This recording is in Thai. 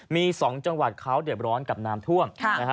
มี๒จังหวัดเขาเดือดร้อนกับน้ำท่วมนะฮะ